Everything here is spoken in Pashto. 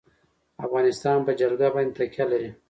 افغانستان په جلګه باندې تکیه لري.